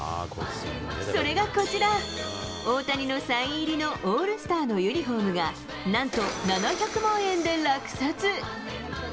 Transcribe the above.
それがこちら、大谷のサイン入りのオールスターのユニホームが、なんと７００万円で落札。